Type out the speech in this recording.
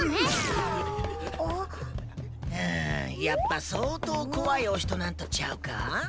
やっぱ相当怖いお人なんとちゃうか？